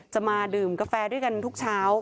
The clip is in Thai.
จะมาดื่มกาแฟด้วยกันทุกเช้า